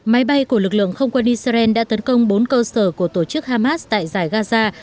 máy bay của lực lượng không quân israel đã tấn công bốn cơ sở của tổ chức hamas tại giải gaza